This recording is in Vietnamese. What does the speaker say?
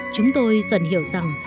chúng tôi dần hiểu rằng